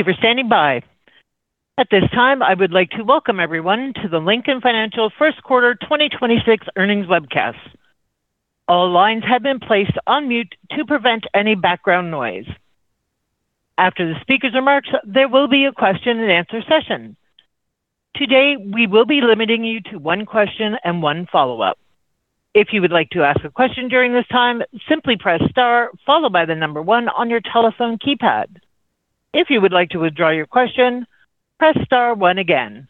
Thank you for standing by. At this time, I would like to welcome everyone to the Lincoln Financial first quarter 2026 earnings webcast. All lines have been placed on mute to prevent any background noise. After the speaker's remarks, there will be a question-and-answer session. Today, we will be limiting you to one question and one follow-up. If you would like to ask a question during this time, simply press star followed by the number one on your telephone keypad. If you would like to withdraw your question, press star one again.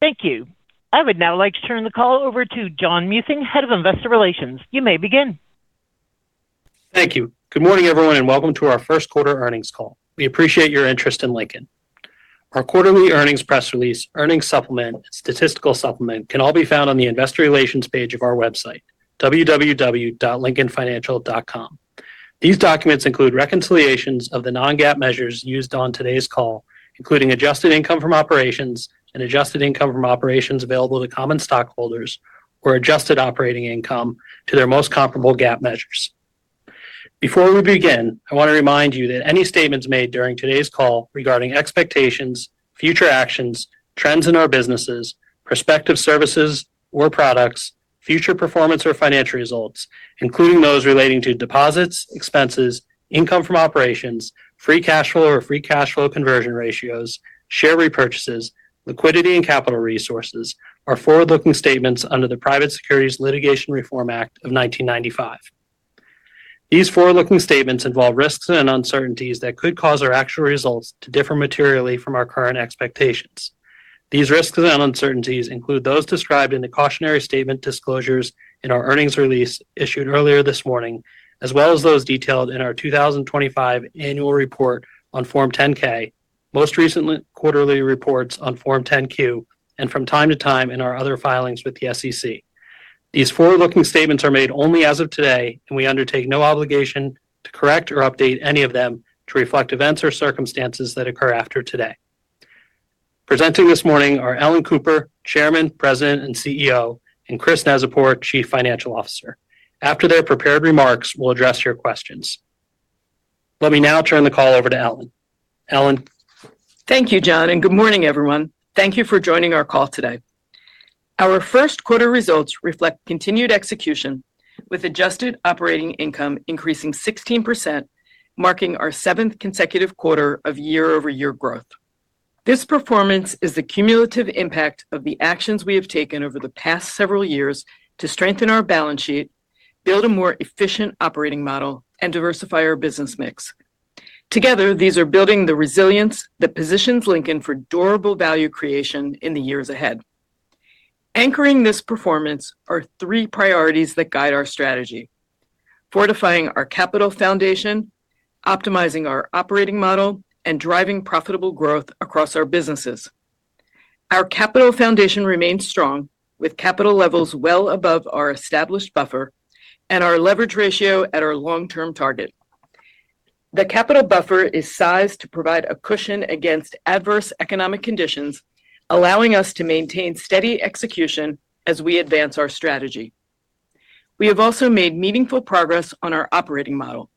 Thank you. I would now like to turn the call over to John Muething, Head of Investor Relations. You may begin. Thank you. Good morning, everyone, and welcome to our first quarter earnings call. We appreciate your interest in Lincoln. Our quarterly earnings press release, earnings supplement, statistical supplement can all be found on the Investor Relations page of our website, www.lincolnfinancial.com. These documents include reconciliations of the non-GAAP measures used on today's call, including adjusted income from operations and adjusted income from operations available to common stockholders or adjusted operating income to their most comparable GAAP measures. Before we begin, I wanna remind you that any statements made during today's call regarding expectations, future actions, trends in our businesses, prospective services or products, future performance or financial results, including those relating to deposits, expenses, income from operations, free cash flow or free cash flow conversion ratios, share repurchases, liquidity and capital resources are forward-looking statements under the Private Securities Litigation Reform Act of 1995. These forward-looking statements involve risks and uncertainties that could cause our actual results to differ materially from our current expectations. These risks and uncertainties include those described in the cautionary statement disclosures in our earnings release issued earlier this morning, as well as those detailed in our 2025 annual report on Form 10-K, most recently, quarterly reports on Form 10-Q, and from time to time in our other filings with the SEC. These forward-looking statements are made only as of today, we undertake no obligation to correct or update any of them to reflect events or circumstances that occur after today. Presenting this morning are Ellen Cooper, Chairman, President, and CEO, and Chris Neczypor, Chief Financial Officer. After their prepared remarks, we'll address your questions. Let me now turn the call over to Ellen. Ellen. Thank you, John. Good morning, everyone. Thank you for joining our call today. Our 1st quarter results reflect continued execution with adjusted operating income increasing 16%, marking our seventh consecutive quarter of year-over-year growth. This performance is the cumulative impact of the actions we have taken over the past several years to strengthen our balance sheet, build a more efficient operating model, and diversify our business mix. Together, these are building the resilience that positions Lincoln for durable value creation in the years ahead. Anchoring this performance are 3 priorities that guide our strategy. Fortifying our capital foundation, optimizing our operating model, and driving profitable growth across our businesses. Our capital foundation remains strong with capital levels well above our established buffer and our leverage ratio at our long-term target. The capital buffer is sized to provide a cushion against adverse economic conditions, allowing us to maintain steady execution as we advance our strategy. We have also made meaningful progress on our operating model.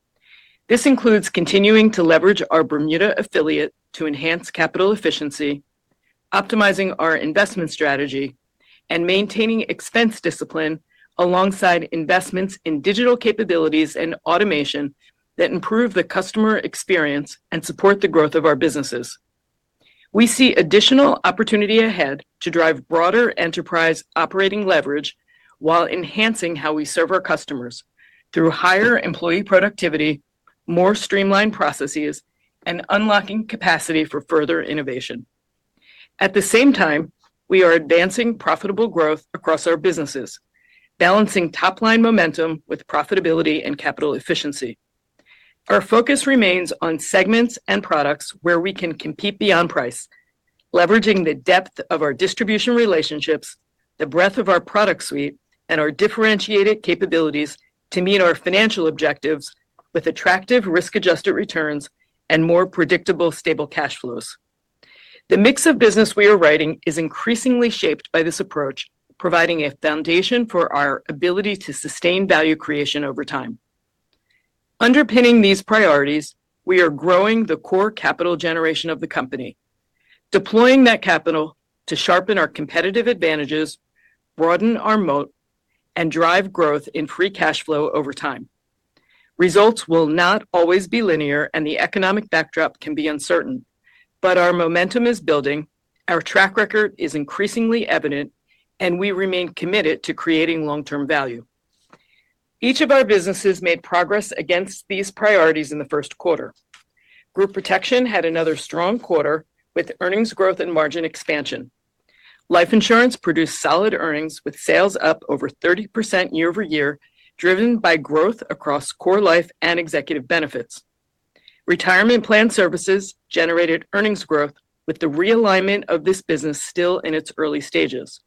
This includes continuing to leverage our Bermuda affiliate to enhance capital efficiency, optimizing our investment strategy, and maintaining expense discipline alongside investments in digital capabilities and automation that improve the customer experience and support the growth of our businesses. We see additional opportunity ahead to drive broader enterprise operating leverage while enhancing how we serve our customers through higher employee productivity, more streamlined processes, and unlocking capacity for further innovation. At the same time, we are advancing profitable growth across our businesses, balancing top-line momentum with profitability and capital efficiency. Our focus remains on segments and products where we can compete beyond price, leveraging the depth of our distribution relationships, the breadth of our product suite, and our differentiated capabilities to meet our financial objectives with attractive risk-adjusted returns and more predictable stable cash flows. The mix of business we are writing is increasingly shaped by this approach, providing a foundation for our ability to sustain value creation over time. Underpinning these priorities, we are growing the core capital generation of the company, deploying that capital to sharpen our competitive advantages, broaden our moat, and drive growth in free cash flow over time. Results will not always be linear, and the economic backdrop can be uncertain, but our momentum is building, our track record is increasingly evident, and we remain committed to creating long-term value. Each of our businesses made progress against these priorities in the first quarter. Group Protection had another strong quarter with earnings growth and margin expansion. Life Insurance produced solid earnings with sales up over 30% year-over-year, driven by growth across core life and executive benefits. Retirement Plan Services generated earnings growth with the realignment of this business still in its early stages.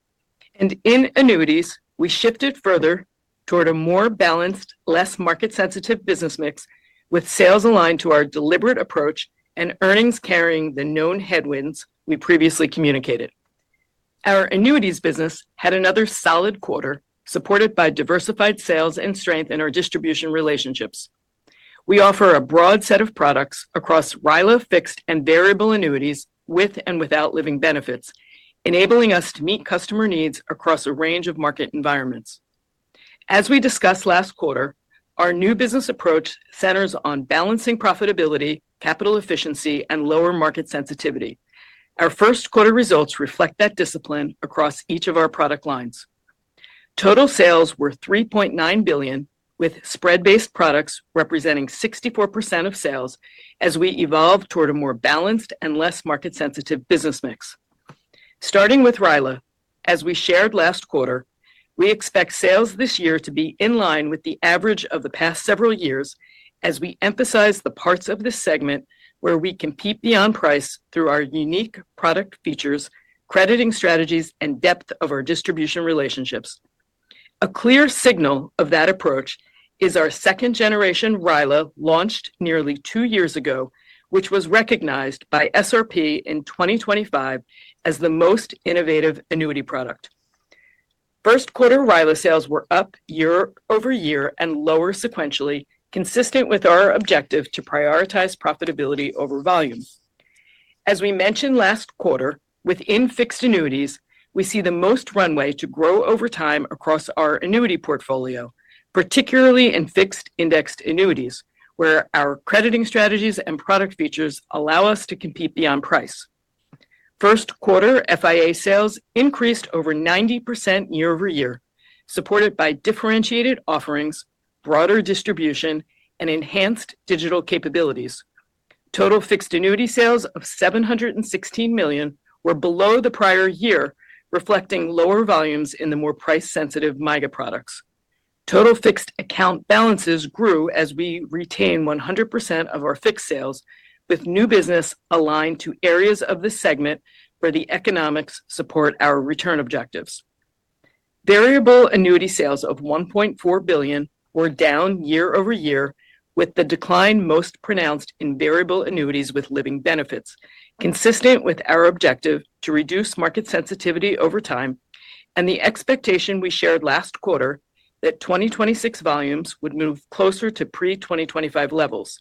In annuities, we shifted further toward a more balanced, less market-sensitive business mix with sales aligned to our deliberate approach and earnings carrying the known headwinds we previously communicated. Our annuities business had another solid quarter, supported by diversified sales and strength in our distribution relationships. We offer a broad set of products across RILA fixed and variable annuities with and without living benefits, enabling us to meet customer needs across a range of market environments. As we discussed last quarter, our new business approach centers on balancing profitability, capital efficiency, and lower market sensitivity. Our first quarter results reflect that discipline across each of our product lines. Total sales were $3.9 billion, with spread-based products representing 64% of sales as we evolve toward a more balanced and less market-sensitive business mix. Starting with RILA, as we shared last quarter, we expect sales this year to be in line with the average of the past several years as we emphasize the parts of this segment where we compete beyond price through our unique product features, crediting strategies, and depth of our distribution relationships. A clear signal of that approach is our second generation RILA, launched nearly two years ago, which was recognized by SRP in 2025 as the most innovative annuity product. First quarter RILA sales were up year-over-year and lower sequentially, consistent with our objective to prioritize profitability over volume. As we mentioned last quarter, within fixed annuities, we see the most runway to grow over time across our annuity portfolio, particularly in fixed indexed annuities, where our crediting strategies and product features allow us to compete beyond price. First quarter FIA sales increased over 90% year-over-year, supported by differentiated offerings, broader distribution, and enhanced digital capabilities. Total fixed annuity sales of $716 million were below the prior year, reflecting lower volumes in the more price-sensitive MYGA products. Total fixed account balances grew as we retained 100% of our fixed sales, with new business aligned to areas of the segment where the economics support our return objectives. Variable annuity sales of $1.4 billion were down year-over-year, with the decline most pronounced in variable annuities with living benefits, consistent with our objective to reduce market sensitivity over time and the expectation we shared last quarter that 2026 volumes would move closer to pre-2025 levels.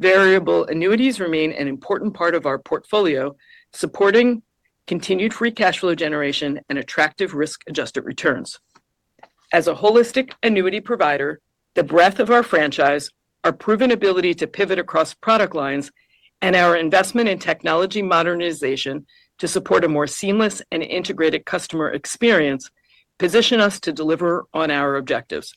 Variable annuities remain an important part of our portfolio, supporting continued free cash flow generation and attractive risk-adjusted returns. As a holistic annuity provider, the breadth of our franchise, our proven ability to pivot across product lines, and our investment in technology modernization to support a more seamless and integrated customer experience position us to deliver on our objectives.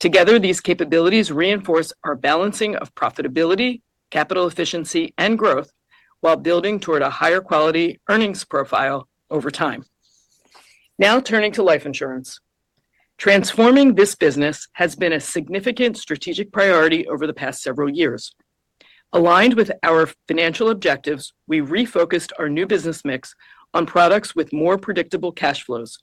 Together, these capabilities reinforce our balancing of profitability, capital efficiency, and growth while building toward a higher quality earnings profile over time. Now turning to Life Insurance. Transforming this business has been a significant strategic priority over the past several years. Aligned with our financial objectives, we refocused our new business mix on products with more predictable cash flows,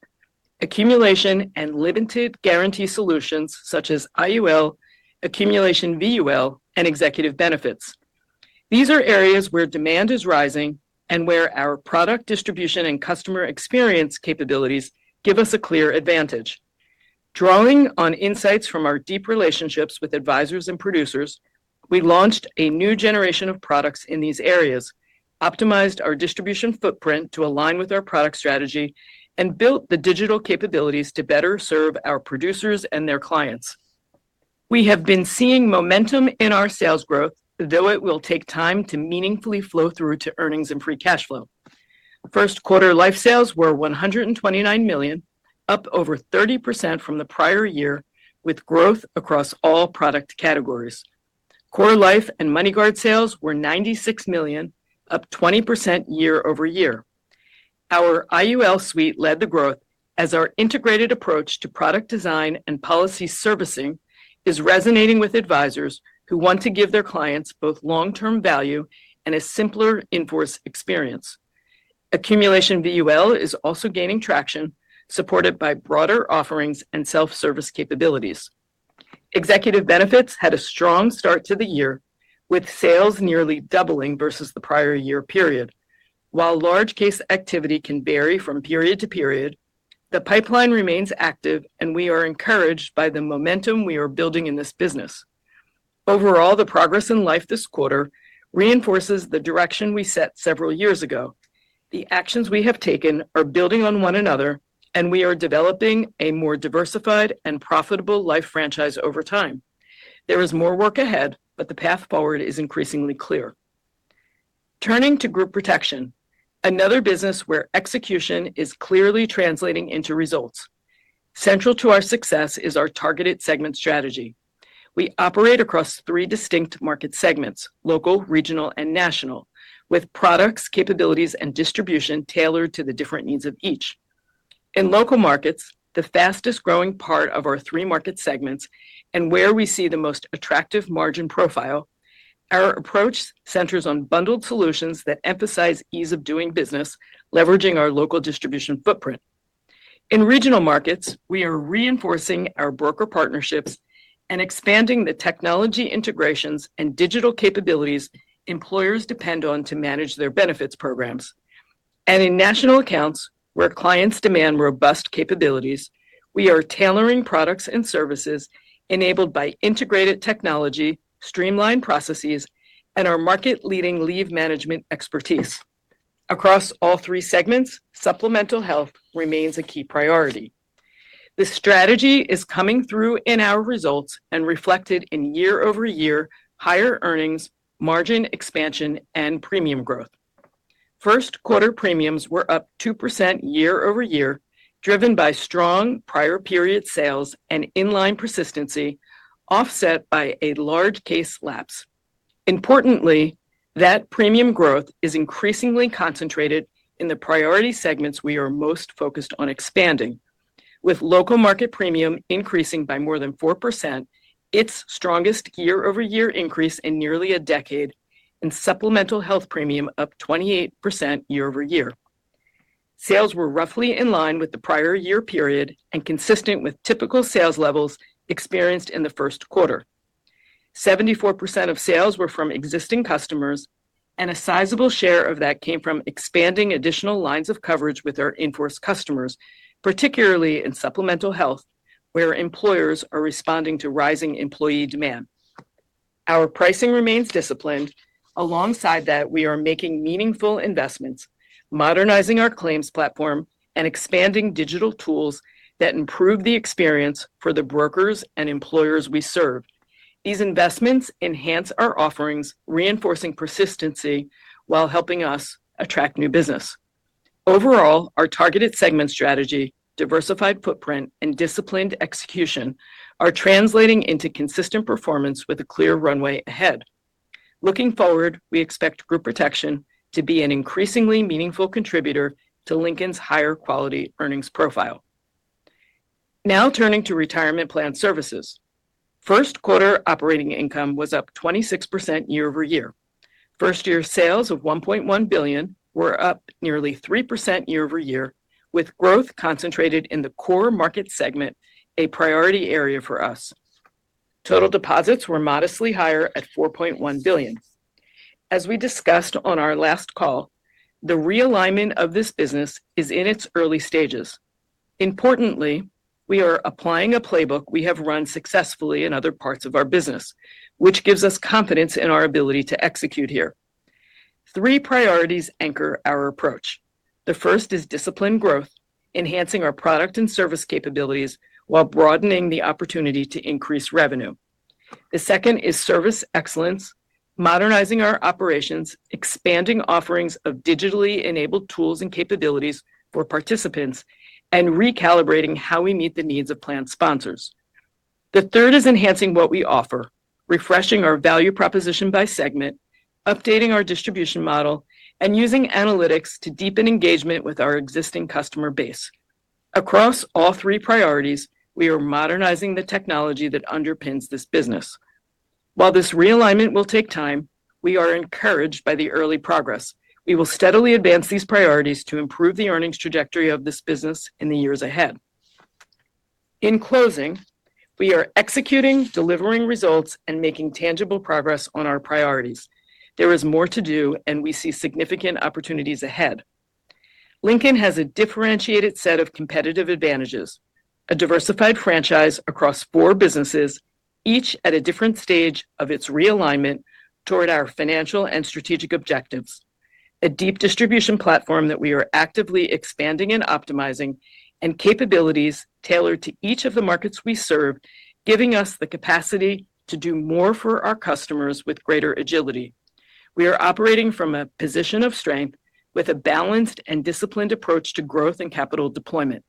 accumulation and limited guarantee solutions such as IUL, accumulation VUL, and executive benefits. These are areas where demand is rising and where our product distribution and customer experience capabilities give us a clear advantage. Drawing on insights from our deep relationships with advisors and producers, we launched a new generation of products in these areas, optimized our distribution footprint to align with our product strategy, and built the digital capabilities to better serve our producers and their clients. We have been seeing momentum in our sales growth, though it will take time to meaningfully flow through to earnings and free cash flow. First quarter life sales were $129 million, up over 30% from the prior year, with growth across all product categories. Core life and MoneyGuard sales were $96 million, up 20% year-over-year. Our IUL suite led the growth as our integrated approach to product design and policy servicing is resonating with advisors who want to give their clients both long-term value and a simpler in-force experience. Accumulation VUL is also gaining traction, supported by broader offerings and self-service capabilities. Executive benefits had a strong start to the year, with sales nearly doubling versus the prior year period. While large case activity can vary from period to period, the pipeline remains active, and we are encouraged by the momentum we are building in this business. Overall, the progress in life this quarter reinforces the direction we set several years ago. The actions we have taken are building on one another, and we are developing a more diversified and profitable life franchise over time. The path forward is increasingly clear. Turning to Group Protection, another business where execution is clearly translating into results. Central to our success is our targeted segment strategy. We operate across three distinct market segments, local, regional, and national, with products, capabilities, and distribution tailored to the different needs of each. In local markets, the fastest-growing part of our three market segments and where we see the most attractive margin profile, our approach centers on bundled solutions that emphasize ease of doing business, leveraging our local distribution footprint. In regional markets, we are reinforcing our broker partnerships and expanding the technology integrations and digital capabilities employers depend on to manage their benefits programs. In national accounts where clients demand robust capabilities, we are tailoring products and services enabled by integrated technology, streamlined processes, and our market leading leave management expertise. Across all three segments, supplemental health remains a key priority. This strategy is coming through in our results and reflected in year-over-year higher earnings, margin expansion and premium growth. First quarter premiums were up 2% year-over-year, driven by strong prior period sales and inline persistency offset by a large case lapse. Importantly, that premium growth is increasingly concentrated in the priority segments we are most focused on expanding. With local market premium increasing by more than 4%, its strongest year-over-year increase in nearly a decade and supplemental health premium up 28% year-over-year. Sales were roughly in line with the prior year period and consistent with typical sales levels experienced in the first quarter. 74% of sales were from existing customers, and a sizable share of that came from expanding additional lines of coverage with our in-force customers, particularly in supplemental health where employers are responding to rising employee demand. Our pricing remains disciplined. Alongside that, we are making meaningful investments, modernizing our claims platform and expanding digital tools that improve the experience for the brokers and employers we serve. These investments enhance our offerings, reinforcing persistency while helping us attract new business. Overall, our targeted segment strategy, diversified footprint and disciplined execution are translating into consistent performance with a clear runway ahead. Looking forward, we expect Group Protection to be an increasingly meaningful contributor to Lincoln's higher quality earnings profile. Now turning to Retirement Plan Services. First quarter operating income was up 26% year-over-year. First year sales of $1.1 billion were up nearly 3% year-over-year, with growth concentrated in the core market segment, a priority area for us. Total deposits were modestly higher at $4.1 billion. As we discussed on our last call, the realignment of this business is in its early stages. Importantly, we are applying a playbook we have run successfully in other parts of our business, which gives us confidence in our ability to execute here. Three priorities anchor our approach. The first is disciplined growth, enhancing our product and service capabilities while broadening the opportunity to increase revenue. The second is service excellence, modernizing our operations, expanding offerings of digitally enabled tools and capabilities for participants, and recalibrating how we meet the needs of plan sponsors. The third is enhancing what we offer, refreshing our value proposition by segment, updating our distribution model, and using analytics to deepen engagement with our existing customer base. Across all three priorities, we are modernizing the technology that underpins this business. While this realignment will take time, we are encouraged by the early progress. We will steadily advance these priorities to improve the earnings trajectory of this business in the years ahead. In closing, we are executing, delivering results, and making tangible progress on our priorities. There is more to do and we see significant opportunities ahead. Lincoln has a differentiated set of competitive advantages, a diversified franchise across four businesses, each at a different stage of its realignment toward our financial and strategic objectives. A deep distribution platform that we are actively expanding and optimizing, and capabilities tailored to each of the markets we serve, giving us the capacity to do more for our customers with greater agility. We are operating from a position of strength with a balanced and disciplined approach to growth and capital deployment.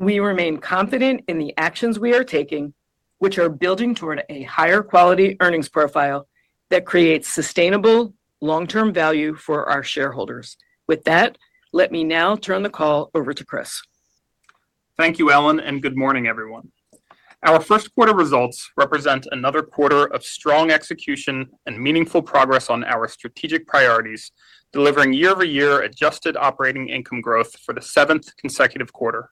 We remain confident in the actions we are taking, which are building toward a higher quality earnings profile that creates sustainable long-term value for our shareholders. With that, let me now turn the call over to Chris. Thank you, Ellen. Good morning, everyone. Our first quarter results represent another quarter of strong execution and meaningful progress on our strategic priorities, delivering year-over-year adjusted operating income growth for the seventh consecutive quarter.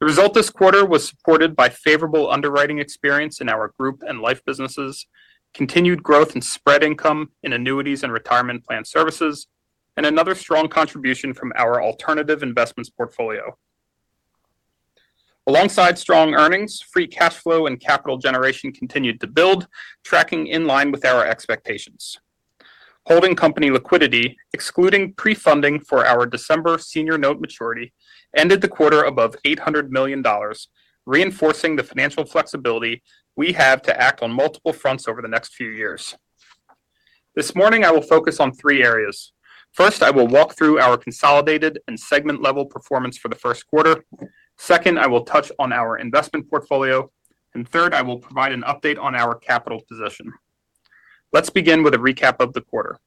The result this quarter was supported by favorable underwriting experience in our Group and Life businesses, continued growth in spread income in Annuities and Retirement Plan Services, and another strong contribution from our alternative investments portfolio. Alongside strong earnings, free cash flow and capital generation continued to build, tracking in line with our expectations. Holding company liquidity, excluding prefunding for our December senior note maturity, ended the quarter above $800 million, reinforcing the financial flexibility we have to act on multiple fronts over the next few years. This morning I will focus on three areas. First, I will walk through our consolidated and segment level performance for the first quarter. Second, I will touch on our investment portfolio. Third, I will provide an update on our capital position. Let's begin with a recap of the quarter.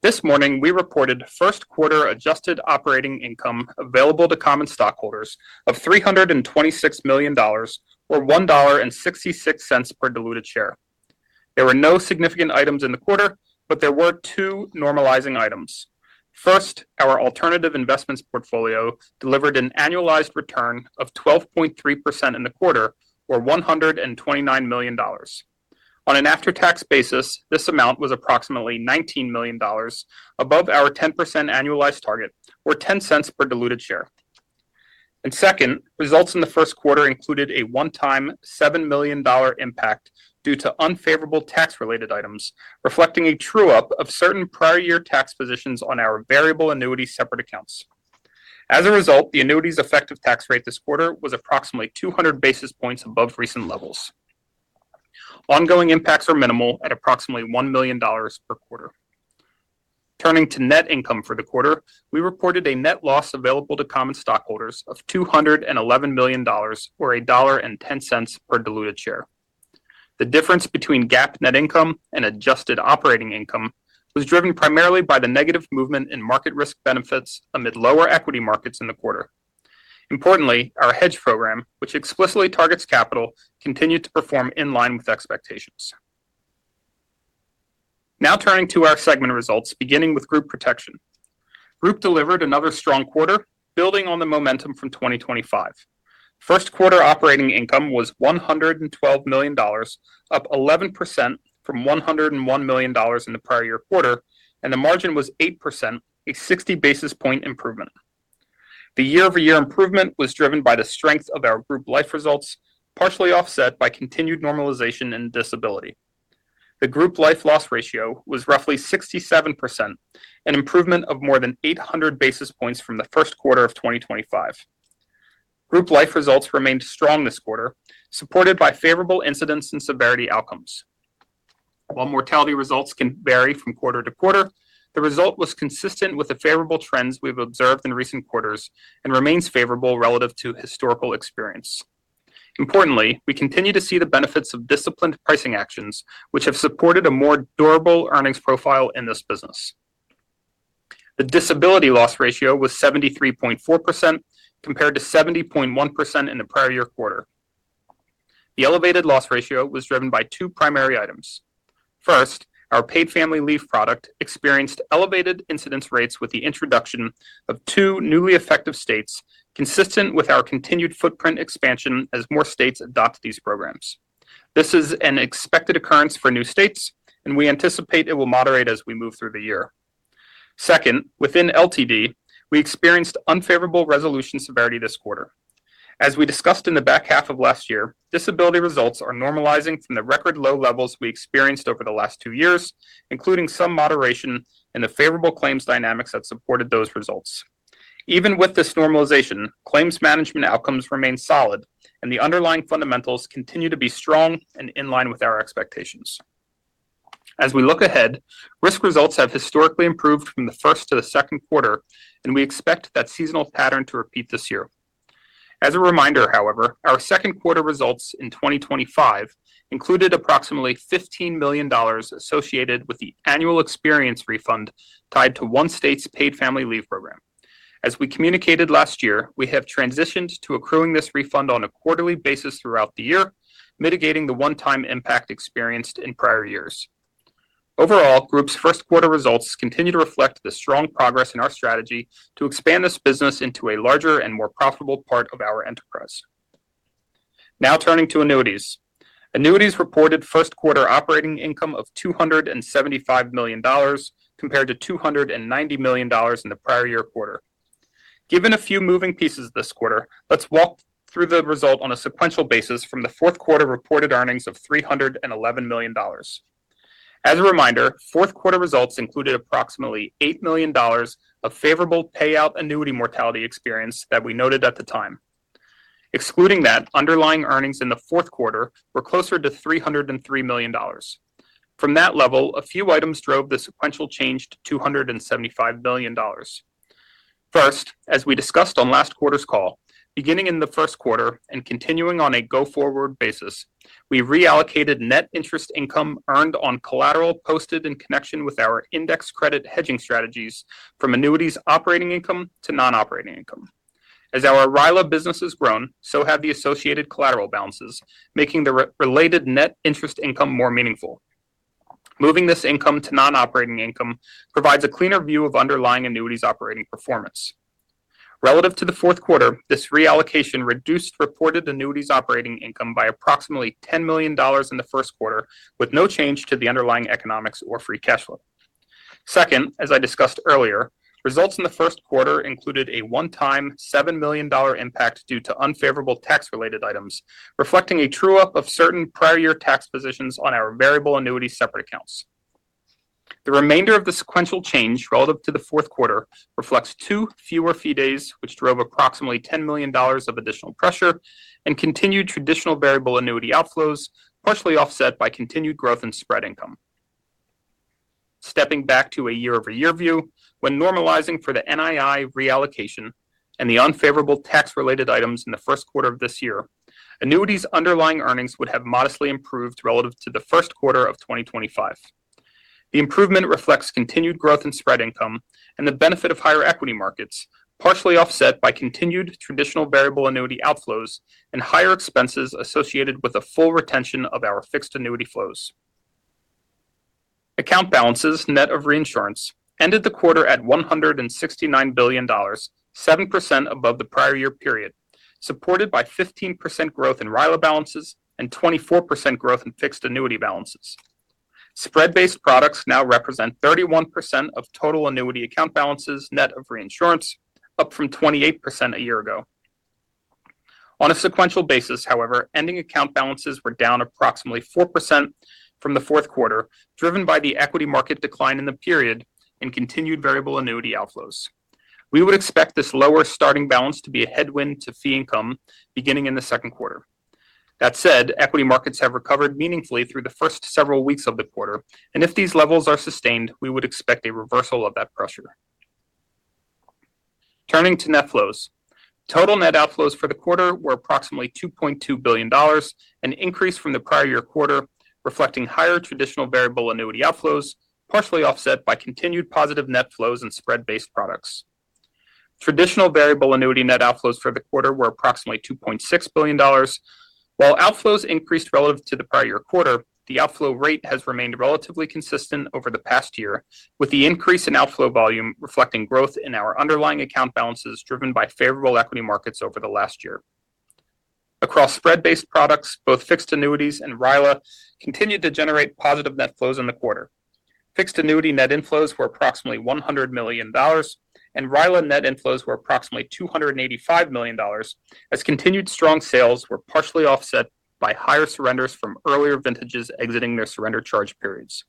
This morning we reported first quarter adjusted operating income available to common stockholders of $326 million or $1.66 per diluted share. There were no significant items in the quarter, but there were two normalizing items. First, our alternative investments portfolio delivered an annualized return of 12.3% in the quarter, or $129 million. On an after-tax basis, this amount was approximately $19 million above our 10% annualized target, or $0.10 per diluted share. Second, results in the first quarter included a one-time $7 million impact due to unfavorable tax-related items, reflecting a true-up of certain prior year tax positions on our variable annuity separate accounts. As a result, the annuity's effective tax rate this quarter was approximately 200 basis points above recent levels. Ongoing impacts are minimal at approximately $1 million per quarter. Turning to net income for the quarter, we reported a net loss available to common stockholders of $211 million, or $1.10 per diluted share. The difference between GAAP net income and adjusted operating income was driven primarily by the negative movement in market risk benefits amid lower equity markets in the quarter. Importantly, our hedge program, which explicitly targets capital, continued to perform in line with expectations. Now turning to our segment results, beginning with Group Protection. Group delivered another strong quarter, building on the momentum from 2025. First quarter operating income was $112 million, up 11% from $101 million in the prior year quarter, and the margin was 8%, a 60 basis point improvement. The year-over-year improvement was driven by the strength of our Group Life results, partially offset by continued normalization in Disability. The Group Life loss ratio was roughly 67%, an improvement of more than 800 basis points from the first quarter of 2025. Group Life results remained strong this quarter, supported by favorable incidence and severity outcomes. While mortality results can vary from quarter to quarter, the result was consistent with the favorable trends we've observed in recent quarters and remains favorable relative to historical experience. Importantly, we continue to see the benefits of disciplined pricing actions, which have supported a more durable earnings profile in this business. The Disability loss ratio was 73.4% compared to 70.1% in the prior year quarter. The elevated loss ratio was driven by 2 primary items. First, our paid family leave product experienced elevated incidence rates with the introduction of two newly effective states, consistent with our continued footprint expansion as more states adopt these programs. This is an expected occurrence for new states, and we anticipate it will moderate as we move through the year. Second, within LTD, we experienced unfavorable resolution severity this quarter. As we discussed in the back half of last year, disability results are normalizing from the record low levels we experienced over the last 2 years, including some moderation in the favorable claims dynamics that supported those results. Even with this normalization, claims management outcomes remain solid, and the underlying fundamentals continue to be strong and in line with our expectations. As we look ahead, risk results have historically improved from the first to the second quarter, and we expect that seasonal pattern to repeat this year. As a reminder, however, our second quarter results in 2025 included approximately $15 million associated with the annual experience refund tied to one state's paid family leave program. As we communicated last year, we have transitioned to accruing this refund on a quarterly basis throughout the year, mitigating the one-time impact experienced in prior years. Overall, Group's first quarter results continue to reflect the strong progress in our strategy to expand this business into a larger and more profitable part of our enterprise. Turning to annuities. Annuities reported first quarter operating income of $275 million compared to $290 million in the prior year quarter. Given a few moving pieces this quarter, let's walk through the result on a sequential basis from the fourth quarter reported earnings of $311 million. As a reminder, fourth quarter results included approximately $8 million of favorable payout annuity mortality experience that we noted at the time. Excluding that, underlying earnings in the fourth quarter were closer to $303 million. From that level, a few items drove the sequential change to $275 million. First, as we discussed on last quarter's call, beginning in the first quarter and continuing on a go-forward basis, we reallocated net interest income earned on collateral posted in connection with our index credit hedging strategies from annuities operating income to non-operating income. As our RILA business has grown, so have the associated collateral balances, making the related net interest income more meaningful. Moving this income to non-operating income provides a cleaner view of underlying annuities operating performance. Relative to the fourth quarter, this reallocation reduced reported annuities operating income by approximately $10 million in the first quarter, with no change to the underlying economics or free cash flow. Second, as I discussed earlier, results in the first quarter included a one-time $7 million impact due to unfavorable tax-related items, reflecting a true-up of certain prior year tax positions on our variable annuity separate accounts. The remainder of the sequential change relative to the fourth quarter reflects two fewer fee days, which drove approximately $10 million of additional pressure, and continued traditional variable annuity outflows, partially offset by continued growth in spread income. Stepping back to a year-over-year view, when normalizing for the NII reallocation and the unfavorable tax-related items in the first quarter of this year, annuities underlying earnings would have modestly improved relative to the first quarter of 2025. The improvement reflects continued growth in spread income and the benefit of higher equity markets, partially offset by continued traditional variable annuity outflows and higher expenses associated with the full retention of our fixed annuity flows. Account balances, net of reinsurance, ended the quarter at $169 billion, 7% above the prior year period, supported by 15% growth in RILA balances and 24% growth in fixed annuity balances. Spread-based products now represent 31% of total annuity account balances, net of reinsurance, up from 28% a year ago. On a sequential basis, however, ending account balances were down approximately 4% from the fourth quarter, driven by the equity market decline in the period and continued variable annuity outflows. We would expect this lower starting balance to be a headwind to fee income beginning in the second quarter. That said, equity markets have recovered meaningfully through the first several weeks of the quarter, and if these levels are sustained, we would expect a reversal of that pressure. Turning to net flows, total net outflows for the quarter were approximately $2.2 billion, an increase from the prior year quarter, reflecting higher traditional variable annuity outflows, partially offset by continued positive net flows in spread-based products. Traditional variable annuity net outflows for the quarter were approximately $2.6 billion. While outflows increased relative to the prior year quarter, the outflow rate has remained relatively consistent over the past year, with the increase in outflow volume reflecting growth in our underlying account balances driven by favorable equity markets over the last year. Across spread-based products, both fixed annuities and RILA continued to generate positive net flows in the quarter. Fixed annuity net inflows were approximately $100 million, and RILA net inflows were approximately $285 million, as continued strong sales were partially offset by higher surrenders from earlier vintages exiting their surrender charge periods.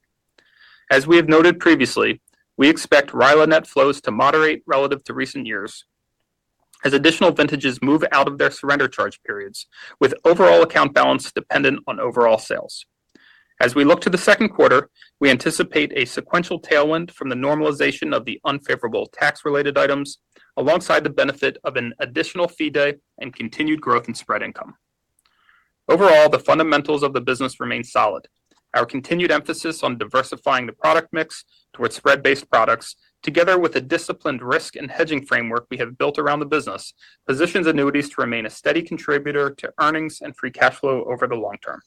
As we have noted previously, we expect RILA net flows to moderate relative to recent years as additional vintages move out of their surrender charge periods, with overall account balance dependent on overall sales. As we look to the second quarter, we anticipate a sequential tailwind from the normalization of the unfavorable tax-related items alongside the benefit of an additional fee day and continued growth in spread income. Overall, the fundamentals of the business remain solid. Our continued emphasis on diversifying the product mix towards spread-based products, together with the disciplined risk and hedging framework we have built around the business, positions annuities to remain a steady contributor to earnings and free cash flow over the long term.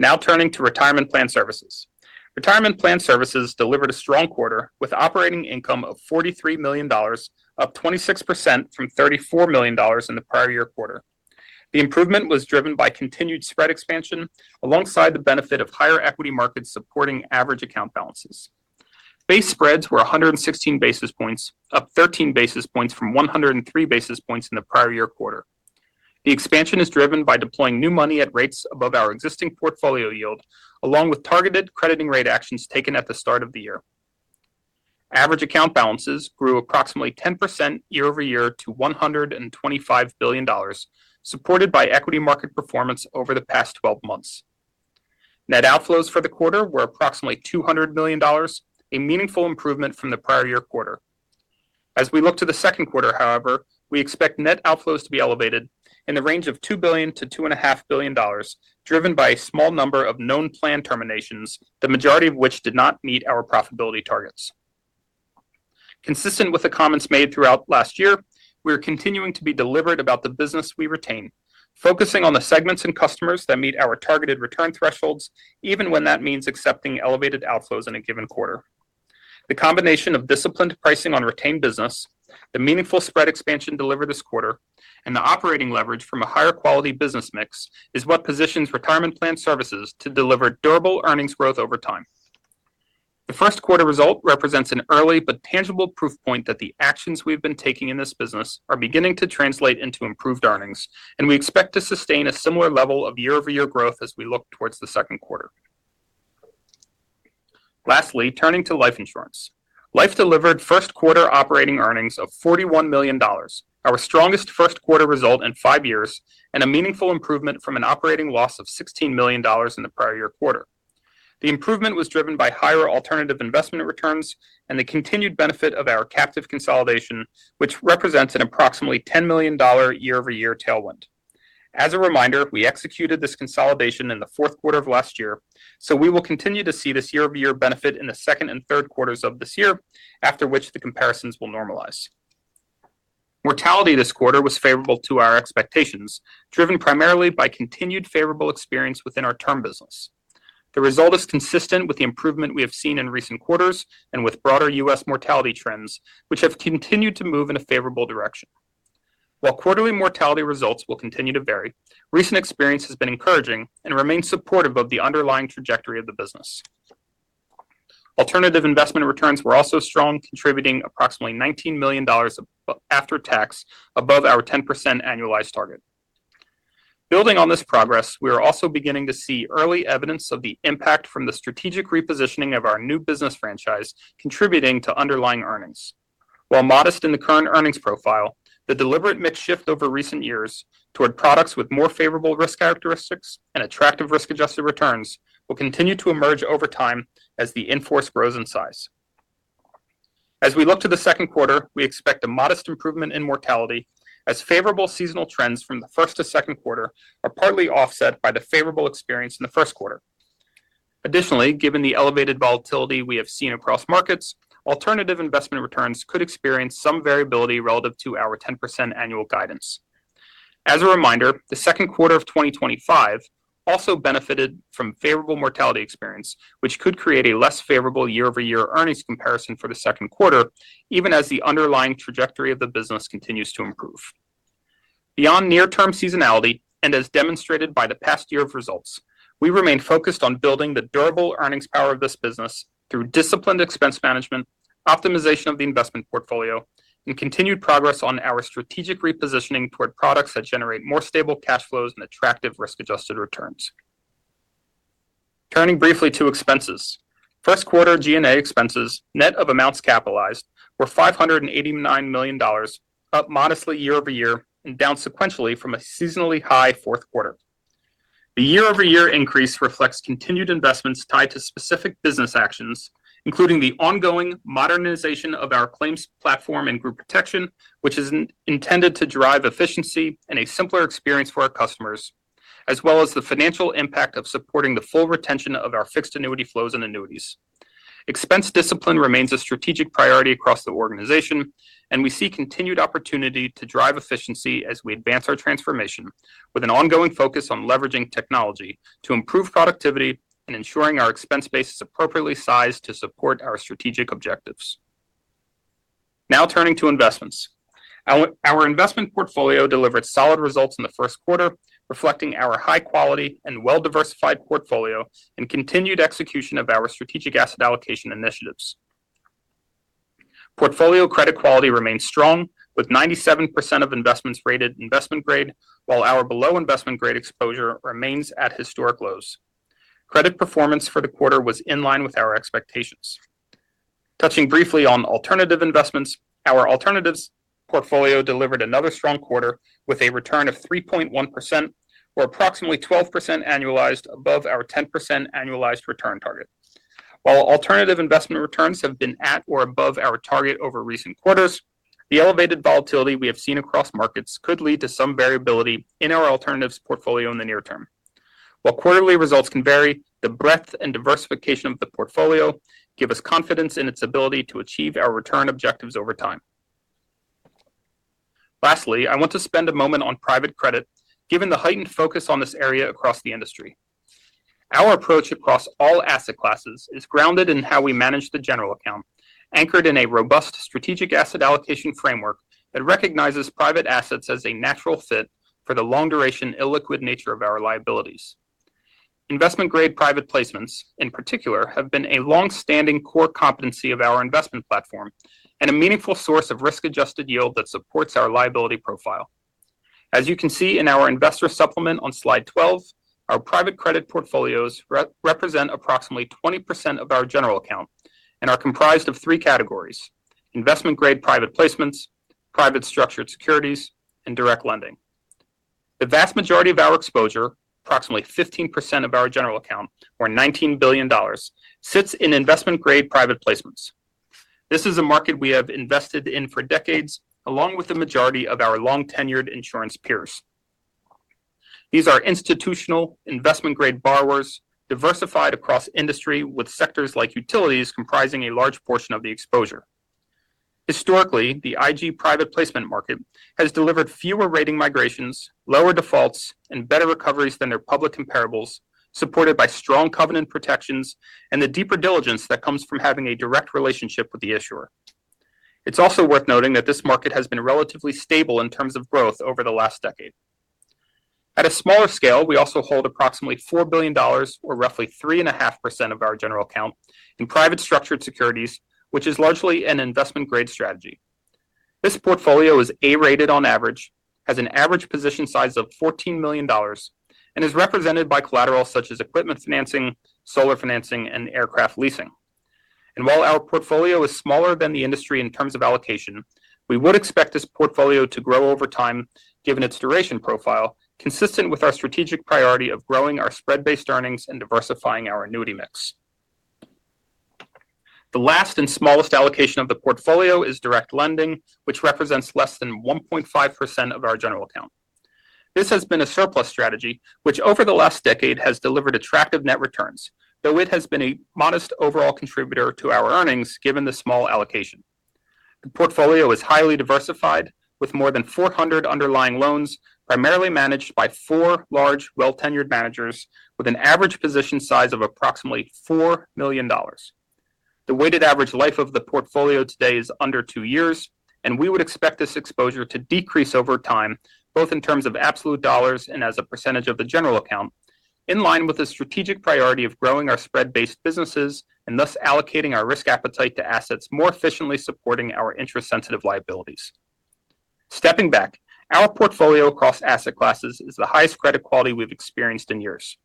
Now turning to Retirement Plan Services. Retirement Plan Services delivered a strong quarter with operating income of $43 million, up 26% from $34 million in the prior year quarter. The improvement was driven by continued spread expansion alongside the benefit of higher equity markets supporting average account balances. Base spreads were 116 basis points, up 13 basis points from 103 basis points in the prior year quarter. The expansion is driven by deploying new money at rates above our existing portfolio yield, along with targeted crediting rate actions taken at the start of the year. Average account balances grew approximately 10% year-over-year to $125 billion, supported by equity market performance over the past 12 months. Net outflows for the quarter were approximately $200 million, a meaningful improvement from the prior year quarter. As we look to the second quarter, however, we expect net outflows to be elevated in the range of $2 billion-$2.5 billion, driven by a small number of known plan terminations, the majority of which did not meet our profitability targets. Consistent with the comments made throughout last year, we are continuing to be deliberate about the business we retain, focusing on the segments and customers that meet our targeted return thresholds, even when that means accepting elevated outflows in a given quarter. The combination of disciplined pricing on retained business, the meaningful spread expansion delivered this quarter, and the operating leverage from a higher quality business mix is what positions Retirement Plan Services to deliver durable earnings growth over time. The first quarter result represents an early but tangible proof point that the actions we've been taking in this business are beginning to translate into improved earnings. We expect to sustain a similar level of year-over-year growth as we look towards the second quarter. Lastly, turning to Life Insurance. Life delivered first quarter operating earnings of $41 million, our strongest first quarter result in five years. A meaningful improvement from an operating loss of $16 million in the prior year quarter. The improvement was driven by higher alternative investment returns and the continued benefit of our captive consolidation, which represents an approximately $10 million year-over-year tailwind. As a reminder, we executed this consolidation in the fourth quarter of last year, so we will continue to see this year-over-year benefit in the second and third quarters of this year, after which the comparisons will normalize. Mortality this quarter was favorable to our expectations, driven primarily by continued favorable experience within our term business. The result is consistent with the improvement we have seen in recent quarters and with broader U.S. mortality trends, which have continued to move in a favorable direction. While quarterly mortality results will continue to vary, recent experience has been encouraging and remains supportive of the underlying trajectory of the business. Alternative investment returns were also strong, contributing approximately $19 million after tax above our 10% annualized target. Building on this progress, we are also beginning to see early evidence of the impact from the strategic repositioning of our new business franchise contributing to underlying earnings. While modest in the current earnings profile, the deliberate mix shift over recent years toward products with more favorable risk characteristics and attractive risk-adjusted returns will continue to emerge over time as the in-force grows in size. As we look to the second quarter, we expect a modest improvement in mortality as favorable seasonal trends from the first to second quarter are partly offset by the favorable experience in the first quarter. Additionally, given the elevated volatility we have seen across markets, alternative investment returns could experience some variability relative to our 10% annual guidance. As a reminder, the second quarter of 2025 also benefited from favorable mortality experience, which could create a less favorable year-over-year earnings comparison for the second quarter, even as the underlying trajectory of the business continues to improve. Beyond near-term seasonality, and as demonstrated by the past year of results, we remain focused on building the durable earnings power of this business through disciplined expense management, optimization of the investment portfolio, and continued progress on our strategic repositioning toward products that generate more stable cash flows and attractive risk-adjusted returns. Turning briefly to expenses, first quarter G&A expenses, net of amounts capitalized, were $589 million, up modestly year-over-year and down sequentially from a seasonally high fourth quarter. The year-over-year increase reflects continued investments tied to specific business actions, including the ongoing modernization of our claims platform and Group Protection, which is intended to drive efficiency and a simpler experience for our customers, as well as the financial impact of supporting the full retention of our fixed annuity flows and annuities. Expense discipline remains a strategic priority across the organization, and we see continued opportunity to drive efficiency as we advance our transformation with an ongoing focus on leveraging technology to improve productivity and ensuring our expense base is appropriately sized to support our strategic objectives. Now turning to investments. Our investment portfolio delivered solid results in the first quarter, reflecting our high quality and well-diversified portfolio and continued execution of our strategic asset allocation initiatives. Portfolio credit quality remains strong with 97% of investments rated investment grade, while our below investment grade exposure remains at historic lows. Credit performance for the quarter was in line with our expectations. Touching briefly on alternative investments, our alternatives portfolio delivered another strong quarter with a return of 3.1% or approximately 12% annualized above our 10% annualized return target. While alternative investment returns have been at or above our target over recent quarters, the elevated volatility we have seen across markets could lead to some variability in our alternatives portfolio in the near term. While quarterly results can vary, the breadth and diversification of the portfolio give us confidence in its ability to achieve our return objectives over time. Lastly, I want to spend a moment on private credit given the heightened focus on this area across the industry. Our approach across all asset classes is grounded in how we manage the general account, anchored in a robust strategic asset allocation framework that recognizes private assets as a natural fit for the long-duration illiquid nature of our liabilities. Investment grade private placements, in particular, have been a long-standing core competency of our investment platform and a meaningful source of risk-adjusted yield that supports our liability profile. As you can see in our investor supplement on slide 12, our private credit portfolios represent approximately 20% of our general account and are comprised of 3 categories: investment grade private placements, private structured securities, and direct lending. The vast majority of our exposure, approximately 15% of our general account or $19 billion, sits in investment-grade private placements. This is a market we have invested in for decades, along with the majority of our long-tenured insurance peers. These are institutional investment-grade borrowers diversified across industry with sectors like utilities comprising a large portion of the exposure. Historically, the IG private placement market has delivered fewer rating migrations, lower defaults, and better recoveries than their public comparables, supported by strong covenant protections and the deeper diligence that comes from having a direct relationship with the issuer. It's also worth noting that this market has been relatively stable in terms of growth over the last decade. At a smaller scale, we also hold approximately $4 billion or roughly 3.5% of our general account in private structured securities, which is largely an investment-grade strategy. This portfolio is A-rated on average, has an average position size of $14 million, and is represented by collateral such as equipment financing, solar financing, and aircraft leasing. While our portfolio is smaller than the industry in terms of allocation, we would expect this portfolio to grow over time given its duration profile, consistent with our strategic priority of growing our spread-based earnings and diversifying our annuity mix. The last and smallest allocation of the portfolio is direct lending, which represents less than 1.5% of our general account. This has been a surplus strategy, which over the last decade has delivered attractive net returns, though it has been a modest overall contributor to our earnings given the small allocation. The portfolio is highly diversified with more than 400 underlying loans, primarily managed by four large, well-tenured managers with an average position size of approximately $4 million. The weighted average life of the portfolio today is under 2 years. We would expect this exposure to decrease over time, both in terms of absolute dollars and as a percentage of the general account, in line with the strategic priority of growing our spread-based businesses and thus allocating our risk appetite to assets more efficiently supporting our interest-sensitive liabilities. Stepping back, our portfolio across asset classes is the highest credit quality we've experienced in years.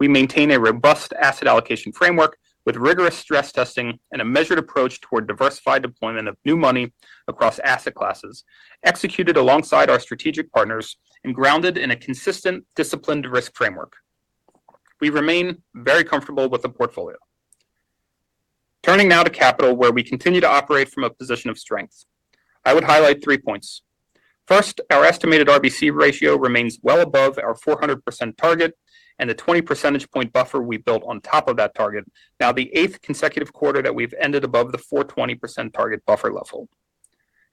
We maintain a robust asset allocation framework with rigorous stress testing and a measured approach toward diversified deployment of new money across asset classes, executed alongside our strategic partners and grounded in a consistent, disciplined risk framework. We remain very comfortable with the portfolio. Turning now to capital, where we continue to operate from a position of strength. I would highlight 3 points. First, our estimated RBC ratio remains well above our 400% target and the 20 percentage point buffer we built on top of that target, now the eighth consecutive quarter that we've ended above the 420% target buffer level.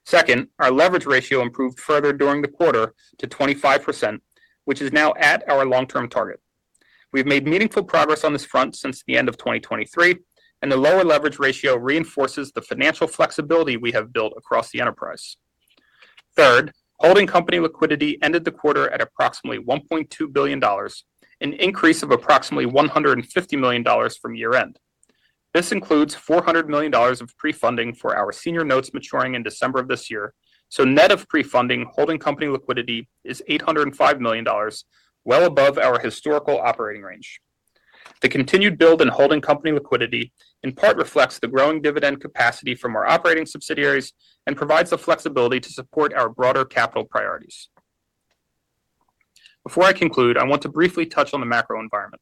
Second, our leverage ratio improved further during the quarter to 25%, which is now at our long-term target. We've made meaningful progress on this front since the end of 2023. The lower leverage ratio reinforces the financial flexibility we have built across the enterprise. Third, holding company liquidity ended the quarter at approximately $1.2 billion, an increase of approximately $150 million from year-end. This includes $400 million of prefunding for our senior notes maturing in December of this year. Net of prefunding, holding company liquidity is $805 million, well above our historical operating range. The continued build in holding company liquidity in part reflects the growing dividend capacity from our operating subsidiaries and provides the flexibility to support our broader capital priorities. Before I conclude, I want to briefly touch on the macro environment.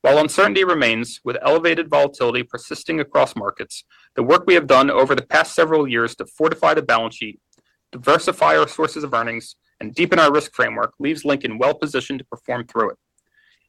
While uncertainty remains, with elevated volatility persisting across markets, the work we have done over the past several years to fortify the balance sheet, diversify our sources of earnings, and deepen our risk framework leaves Lincoln well positioned to perform through it.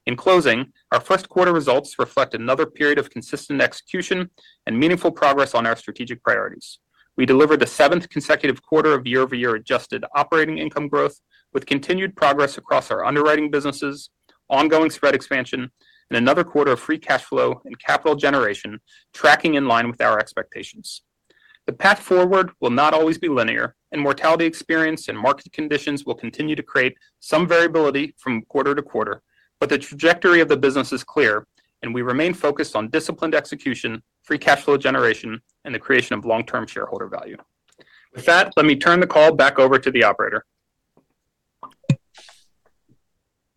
In closing, our first quarter results reflect another period of consistent execution and meaningful progress on our strategic priorities. We delivered the seventh consecutive quarter of year-over-year adjusted operating income growth with continued progress across our underwriting businesses, ongoing spread expansion, and another quarter of free cash flow and capital generation tracking in line with our expectations. The path forward will not always be linear, and mortality experience and market conditions will continue to create some variability from quarter to quarter. The trajectory of the business is clear, and we remain focused on disciplined execution, free cash flow generation, and the creation of long-term shareholder value. With that, let me turn the call back over to the operator.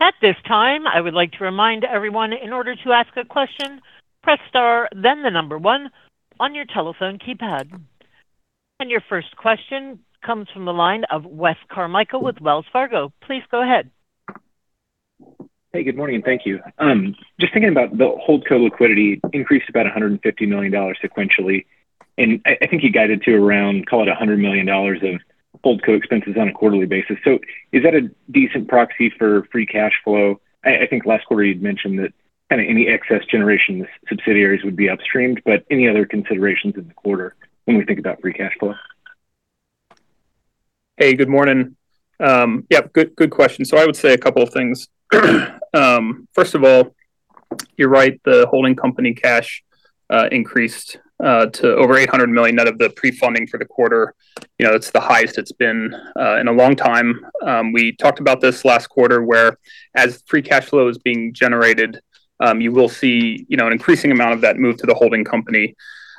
At this time, I would like to remind everyone in order to ask a question, press star then the number one on your telephone keypad. Your first question comes from the line of Wes Carmichael with Wells Fargo. Please go ahead. Hey, good morning, and thank you. Just thinking about the holdco liquidity increased about $150 million sequentially. I think you guided to around, call it $100 million of holdco expenses on a quarterly basis. Is that a decent proxy for free cash flow? I think last quarter you'd mentioned that kind of any excess generation subsidiaries would be upstreamed, but any other considerations in the quarter when we think about free cash flow? Good morning. Yeah, good question. I would say a couple of things. First of all, you're right, the holding company cash increased to over $800 million net of the prefunding for the quarter. You know, it's the highest it's been in a long time. We talked about this last quarter, where as free cash flow is being generated, you will see, you know, an increasing amount of that move to the holding company.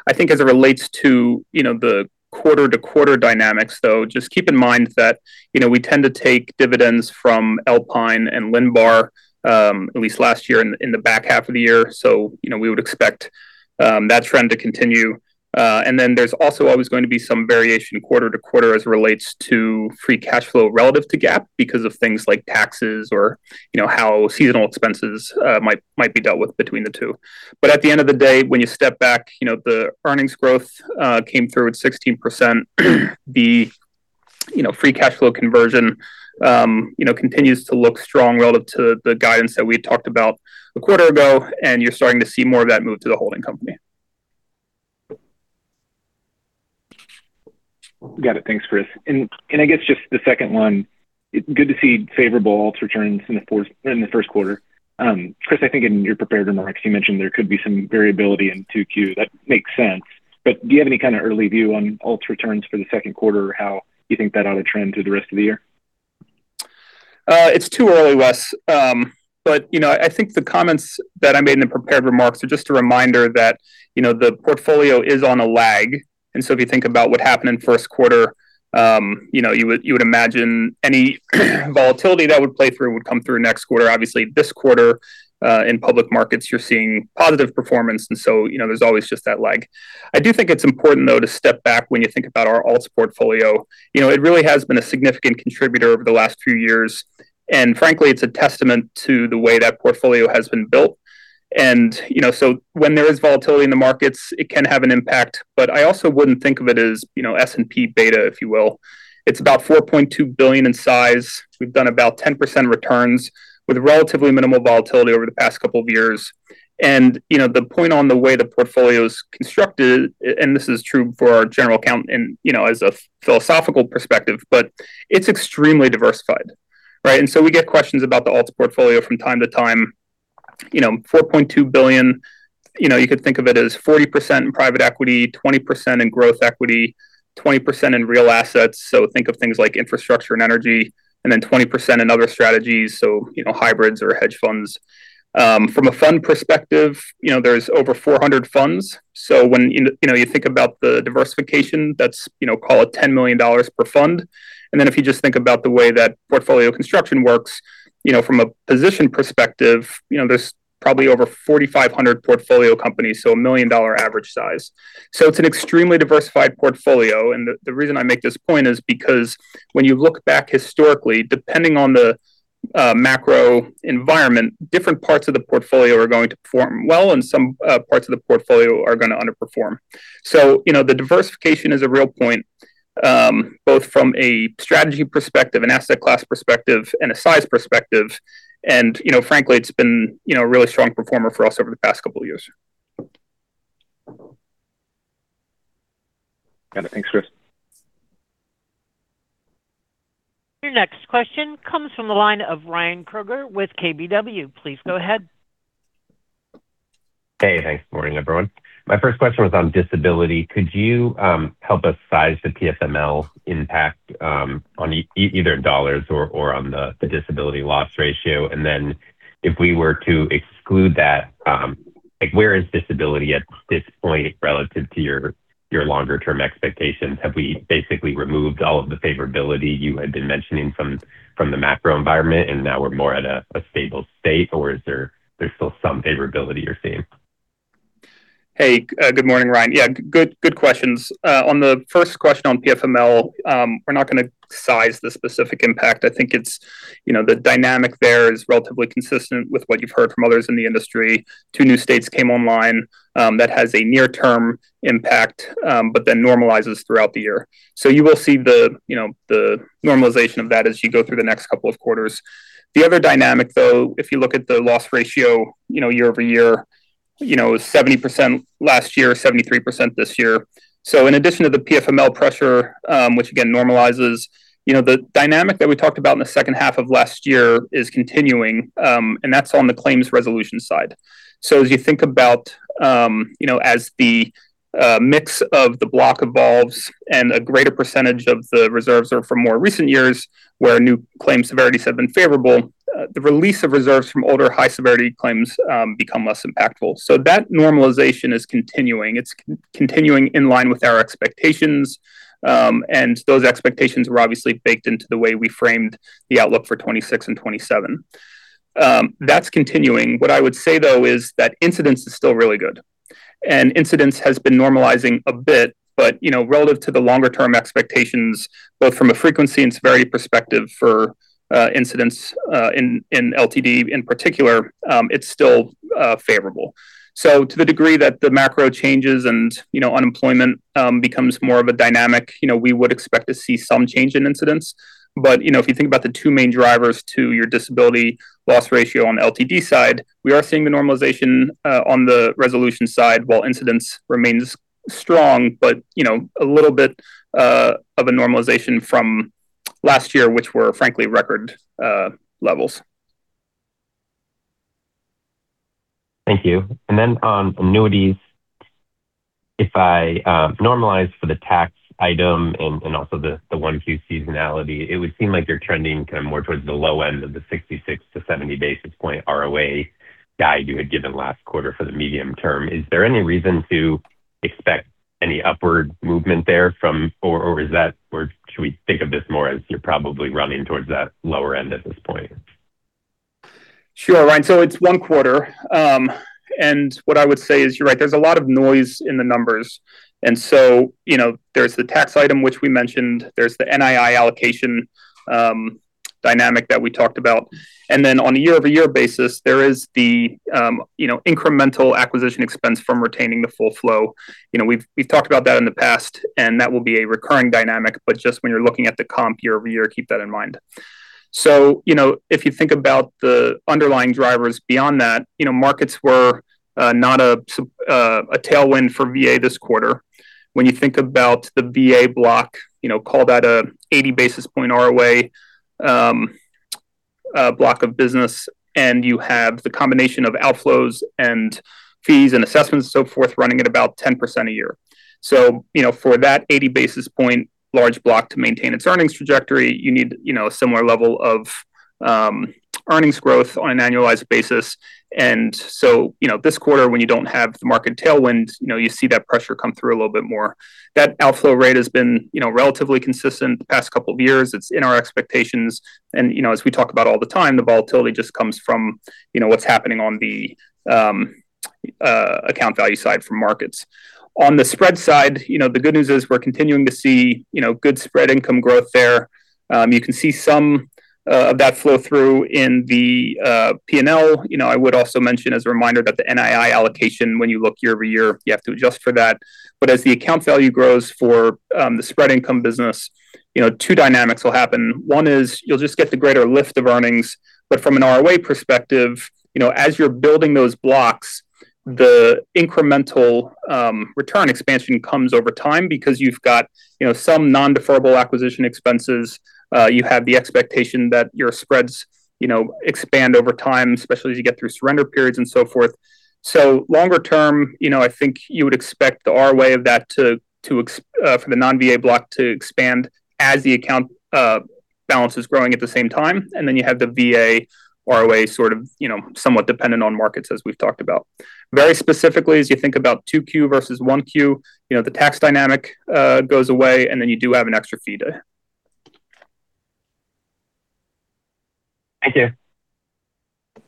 I think as it relates to, you know, the quarter-to-quarter dynamics though, just keep in mind that, you know, we tend to take dividends from Alpine and Linbar, at least last year in the back half of the year, so, you know, we would expect that trend to continue. There's also always going to be some variation quarter to quarter as it relates to free cash flow relative to GAAP because of things like taxes or, you know, how seasonal expenses might be dealt with between the two. At the end of the day, when you step back, you know, the earnings growth came through at 16%. The, you know, free cash flow conversion, you know, continues to look strong relative to the guidance that we had talked about a quarter ago, and you're starting to see more of that move to the holding company. Got it. Thanks, Chris. I guess just the second one, good to see favorable alts returns in the first quarter. Chris, I think in your prepared remarks you mentioned there could be some variability in 2Q. That makes sense. Do you have any kind of early view on alts returns for the second quarter, or how you think that ought to trend through the rest of the year? It's too early, Wes. You know, I think the comments that I made in the prepared remarks are just a reminder that, you know, the portfolio is on a lag, and so if you think about what happened in first quarter, you know, you would imagine any volatility that would play through would come through next quarter. Obviously, this quarter, in public markets, you're seeing positive performance and so, you know, there's always just that lag. I do think it's important, though, to step back when you think about our alts portfolio. You know, it really has been a significant contributor over the last few years, and frankly, it's a testament to the way that portfolio has been built. When there is volatility in the markets, it can have an impact, but I also wouldn't think of it as S&P beta, if you will. It's about $4.2 billion in size. We've done about 10% returns with relatively minimal volatility over the past couple of years. The point on the way the portfolio's constructed, and this is true for our general account and as a philosophical perspective, but it's extremely diversified, right? We get questions about the alts portfolio from time to time. $4.2 billion, you could think of it as 40% in private equity, 20% in growth equity, 20% in real assets, so think of things like infrastructure and energy, 20% in other strategies, so hybrids or hedge funds. From a fund perspective, you know, there's over 400 funds. When you know, you think about the diversification, that's, you know, call it $10 million per fund. If you just think about the way that portfolio construction works, you know, from a position perspective, you know, there's probably over 4,500 portfolio companies, so a $1 million average size. It's an extremely diversified portfolio. The reason I make this point is because when you look back historically, depending on the macro environment, different parts of the portfolio are going to perform well and some parts of the portfolio are gonna underperform. You know, the diversification is a real point, both from a strategy perspective, an asset class perspective, and a size perspective. You know, frankly, it's been, you know, a really strong performer for us over the past couple years. Got it. Thanks, Chris. Your next question comes from the line of Ryan Krueger with KBW. Please go ahead. Hey, thanks. Morning, everyone. My first question was on disability. Could you help us size the PFML impact on either dollars or on the disability loss ratio? If we were to exclude that, where is disability at this point relative to your longer term expectations? Have we basically removed all of the favorability you had been mentioning from the macro environment and now we're more at a stable state, or is there still some favorability you're seeing? Hey, good morning, Ryan. Yeah, good questions. On the first question on PFML, we're not gonna size the specific impact. I think it's, you know, the dynamic there is relatively consistent with what you've heard from others in the industry. Two new states came online, that has a near-term impact, but then normalizes throughout the year. You will see the, you know, the normalization of that as you go through the next couple of quarters. The other dynamic, though, if you look at the loss ratio, you know, year-over-year, you know, 70% last year, 73% this year. In addition to the PFML pressure, which again normalizes, you know, the dynamic that we talked about in the second half of last year is continuing, and that's on the claims resolution side. As you think about, as the mix of the block evolves and a greater percentage of the reserves are from more recent years where new claim severities have been favorable, the release of reserves from older high-severity claims become less impactful. That normalization is continuing. It's continuing in line with our expectations, and those expectations were obviously baked into the way we framed the outlook for 2026 and 2027. That's continuing. What I would say, though, is that incidence is still really good, and incidence has been normalizing a bit. Relative to the longer term expectations, both from a frequency and severity perspective for incidence in LTD in particular, it's still favorable. To the degree that the macro changes and, you know, unemployment, becomes more of a dynamic, you know, we would expect to see some change in incidence. You know, if you think about the two main drivers to your disability loss ratio on LTD side, we are seeing the normalization on the resolution side while incidence remains strong, but, you know, a little bit of a normalization from last year, which were frankly record levels. Thank you. On annuities, if I normalize for the tax item and also the 1Q seasonality, it would seem like you're trending kind of more towards the low end of the 66-70 basis point ROA guide you had given last quarter for the medium term. Is there any reason to expect any upward movement there, or should we think of this more as you're probably running towards that lower end at this point? Sure, Ryan. It's 1 quarter. What I would say is you're right, there's a lot of noise in the numbers. You know, there's the tax item which we mentioned. There's the NII allocation dynamic that we talked about. On a year-over-year basis, there is the, you know, incremental acquisition expense from retaining the full flow. You know, we've talked about that in the past, and that will be a recurring dynamic, but just when you're looking at the comp year-over-year, keep that in mind. You know, if you think about the underlying drivers beyond that, you know, markets were not a tailwind for VA this quarter. When you think about the VA block, call that a 80 basis point ROA block of business, and you have the combination of outflows and fees and assessments and so forth running at about 10% a year. For that 80 basis point large block to maintain its earnings trajectory, you need a similar level of earnings growth on an annualized basis. This quarter when you don't have the market tailwind, you see that pressure come through a little bit more. That outflow rate has been relatively consistent the past couple of years. It's in our expectations. As we talk about all the time, the volatility just comes from what's happening on the account value side for markets. On the spread side, you know, the good news is we're continuing to see, you know, good spread income growth there. You can see some of that flow through in the P&L. You know, I would also mention as a reminder that the NII allocation, when you look year-over-year, you have to adjust for that. As the account value grows for the spread income business, you know, two dynamics will happen. One is you'll just get the greater lift of earnings. From an ROA perspective, you know, as you're building those blocks, the incremental return expansion comes over time because you've got, you know, some non-deferrable acquisition expenses. You have the expectation that your spreads, you know, expand over time, especially as you get through surrender periods and so forth. Longer term, you know, I think you would expect the ROA of that for the non-VA block to expand as the account balance is growing at the same time. Then you have the VA ROA sort of, you know, somewhat dependent on markets as we've talked about. Very specifically, as you think about 2Q versus 1Q, you know, the tax dynamic goes away and then you do have an extra fee day. Thank you.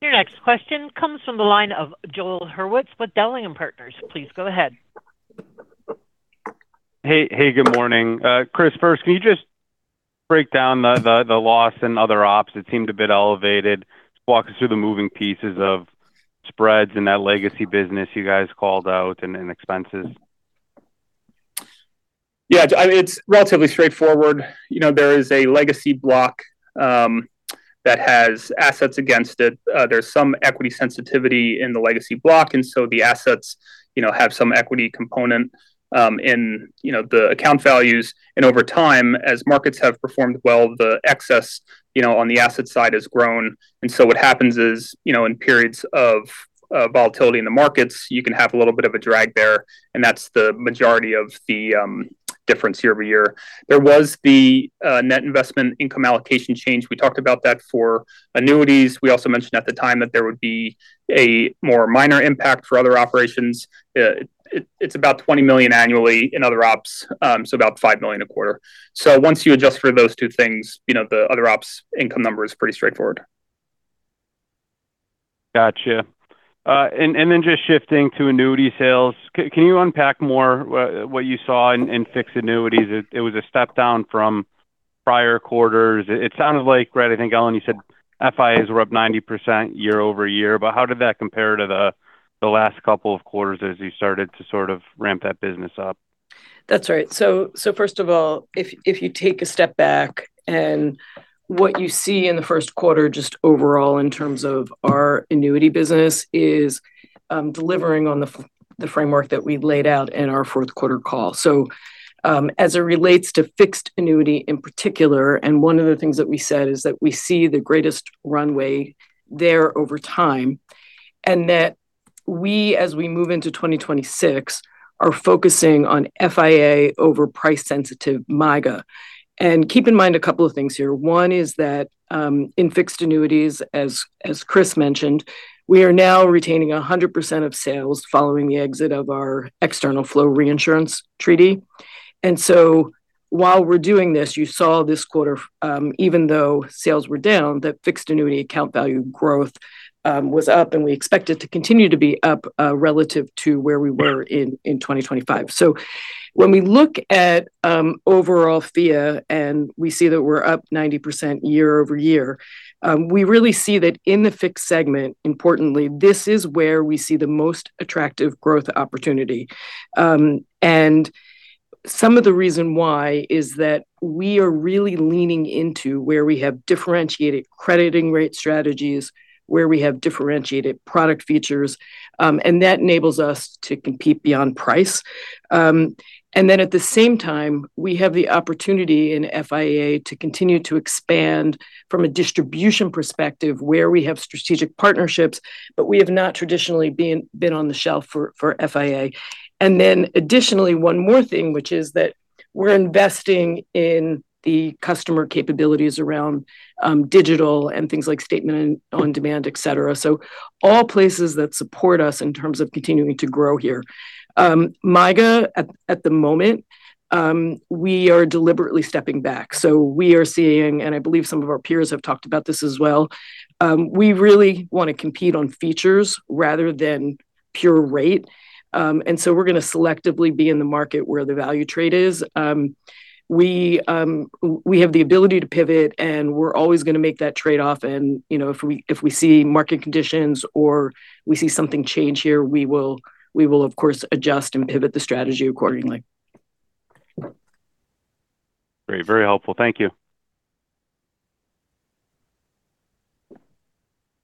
Your next question comes from the line of Joel Hurwitz with Dowling & Partners. Please go ahead. Hey, hey, good morning. Chris, first, can you just break down the loss in other ops? It seemed a bit elevated. Walk us through the moving pieces of spreads in that legacy business you guys called out and expenses. Yeah. I mean, it's relatively straightforward. You know, there is a legacy block that has assets against it. There's some equity sensitivity in the legacy block, and so the assets, you know, have some equity component in, you know, the account values. Over time, as markets have performed well, the excess, you know, on the asset side has grown. So what happens is, you know, in periods of volatility in the markets, you can have a little bit of a drag there, and that's the majority of the difference year-over-year. There was the net investment income allocation change. We talked about that for annuities. We also mentioned at the time that there would be a more minor impact for other operations. It's about $20 million annually in other ops, so about $5 million a quarter. Once you adjust for those two things, you know, the other ops income number is pretty straightforward. Gotcha. Then just shifting to annuity sales, can you unpack more what you saw in fixed annuities? It was a step down from prior quarters. It sounded like, right, I think, Ellen, you said FIAs were up 90% year-over-year. How did that compare to the last couple of quarters as you started to sort of ramp that business up? That's right. First of all, if you take a step back and what you see in the first quarter just overall in terms of our annuity business is delivering on the framework that we'd laid out in our fourth quarter call. As it relates to fixed annuities in particular, one of the things that we said is that we see the greatest runway there over time, and that we, as we move into 2026, are focusing on FIA over price sensitive MYGA. Keep in mind a couple of things here. One is that in fixed annuities, as Chris mentioned, we are now retaining 100% of sales following the exit of our external flow reinsurance treaty. While we're doing this, you saw this quarter, even though sales were down, that fixed annuity account value growth was up, and we expect it to continue to be up relative to where we were in 2025. When we look at overall FIA and we see that we're up 90% year-over-year, we really see that in the fixed segment, importantly, this is where we see the most attractive growth opportunity. Some of the reason why is that we are really leaning into where we have differentiated crediting rate strategies, where we have differentiated product features, and that enables us to compete beyond price. At the same time, we have the opportunity in FIA to continue to expand from a distribution perspective where we have strategic partnerships, but we have not traditionally been on the shelf for FIA. Additionally, one more thing, which is that we're investing in the customer capabilities around digital and things like statement on demand, et cetera. All places that support us in terms of continuing to grow here. MYGA at the moment, we are deliberately stepping back. We are seeing, and I believe some of our peers have talked about this as well, we really wanna compete on features rather than pure rate. We're gonna selectively be in the market where the value trade is. We have the ability to pivot, and we're always gonna make that trade-off. You know, if we see market conditions or we see something change here, we will of course adjust and pivot the strategy accordingly. Great. Very helpful. Thank you.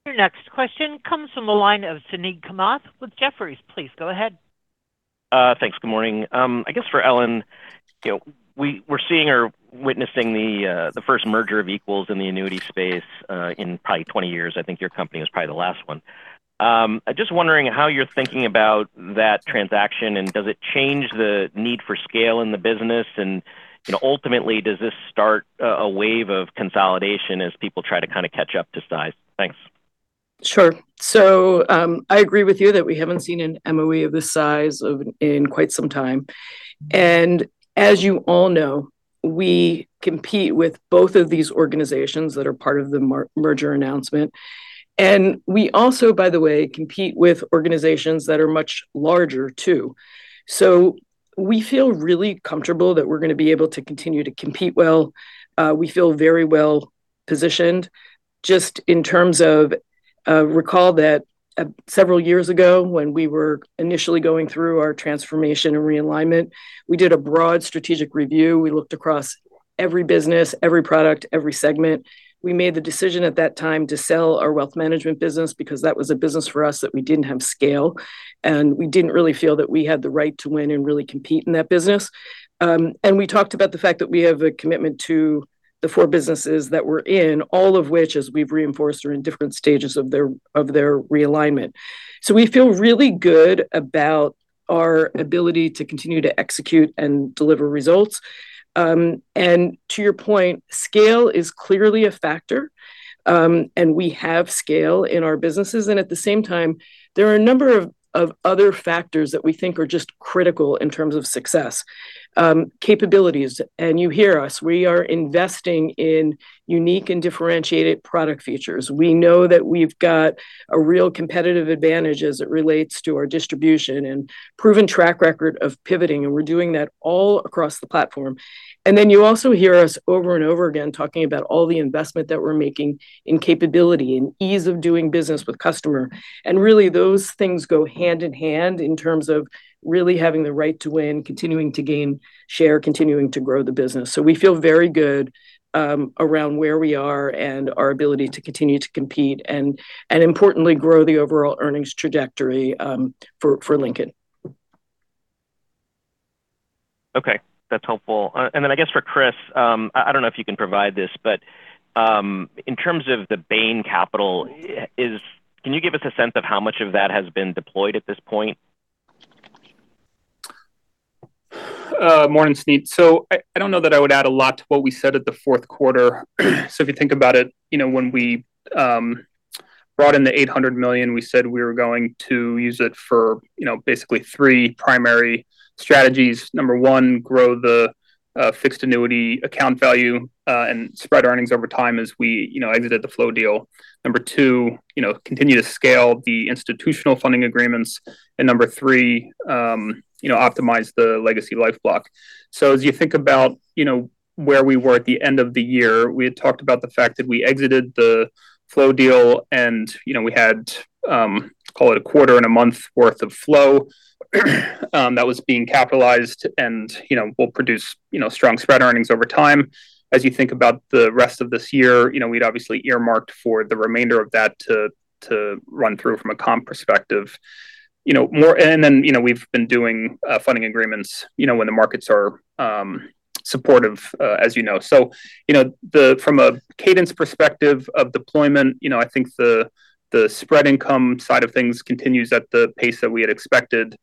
Your next question comes from the line of Suneet Kamath with Jefferies. Please go ahead. Thanks. Good morning. I guess for Ellen, you know, we're seeing or witnessing the first merger of equals in the annuity space, in probably 20 years. I think your company is probably the last one. I'm just wondering how you're thinking about that transaction and does it change the need for scale in the business? You know, ultimately, does this start a wave of consolidation as people try to kind of catch up to size? Thanks. Sure. I agree with you that we haven't seen an M&A of this size in quite some time. As you all know, we compete with both of these organizations that are part of the merger announcement. We also, by the way, compete with organizations that are much larger too. We feel really comfortable that we're going to be able to continue to compete well. We feel very well-positioned. Just in terms of recall that several years ago when we were initially going through our transformation and realignment, we did a broad strategic review. We looked across every business, every product, every segment. We made the decision at that time to sell our wealth management business because that was a business for us that we didn't have scale, and we didn't really feel that we had the right to win and really compete in that business. We talked about the fact that we have a commitment to the four businesses that we're in, all of which, as we've reinforced, are in different stages of their, of their realignment. We feel really good about our ability to continue to execute and deliver results. To your point, scale is clearly a factor. We have scale in our businesses. At the same time, there are a number of other factors that we think are just critical in terms of success. Capabilities, and you hear us, we are investing in unique and differentiated product features. We know that we've got a real competitive advantage as it relates to our distribution and proven track record of pivoting, and we're doing that all across the platform. You also hear us over and over again talking about all the investment that we're making in capability and ease of doing business with customer. Really, those things go hand in hand in terms of really having the right to win, continuing to gain share, continuing to grow the business. We feel very good around where we are and our ability to continue to compete and importantly, grow the overall earnings trajectory for Lincoln. Okay. That's helpful. I guess for Chris, I don't know if you can provide this, but, in terms of the Bain Capital, can you give us a sense of how much of that has been deployed at this point? Morning, Suneet. I don't know that I would add a lot to what we said at the fourth quarter. If you think about it, you know, when we brought in the $800 million, we said we were going to use it for, you know, basically three primary strategies. Number one, grow the fixed annuity account value and spread earnings over time as we, you know, exited the flow deal. Number two, you know, continue to scale the institutional funding agreements. Number three, you know, optimize the legacy life block. As you think about, you know, where we were at the end of the year, we had talked about the fact that we exited the flow deal and, you know, we had, call it a quarter and a month worth of flow, that was being capitalized and, you know, will produce, you know, strong spread earnings over time. As you think about the rest of this year, you know, we'd obviously earmarked for the remainder of that to run through from a comp perspective. Then, you know, we've been doing funding agreements, you know, when the markets are supportive, as you know. You know, from a cadence perspective of deployment, you know, I think the spread income side of things continues at the pace that we had expected.